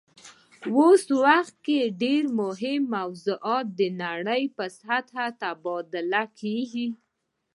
په اوس وخت کې ډیر مهم موضوعات د نړۍ په سطحه تبادله کیږي